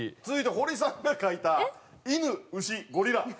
続いて堀さんが描いた犬牛ゴリラ。